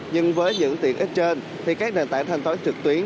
nhưng với những tiền ít trên thì các nền tảng thanh toán trực tuyến